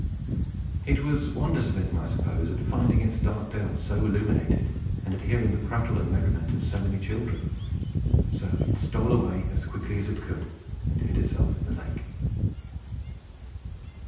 It was wonder smitten, I suppose, at finding its dark dell so illuminated, and at hearing the prattle and merriment of so many children. So it stole away as quickly as it could, and hid itself in the lake.